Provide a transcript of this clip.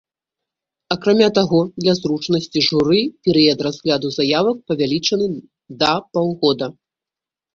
Акрамя таго, для зручнасці журы перыяд разгляду заявак павялічаны да паўгода.